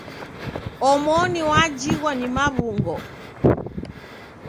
Omoni wajighwa ni maw'ungo.